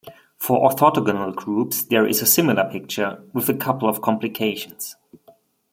For orthogonal groups there is a similar picture, with a couple of complications.